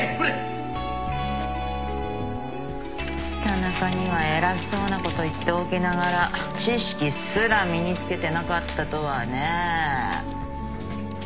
田中には偉そうなこと言っておきながら知識すら身に付けてなかったとはね。